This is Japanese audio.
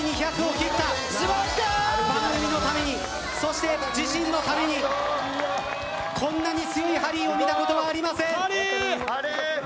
番組のためにそして自身のためにこんなに強いハリーを見たことはありません。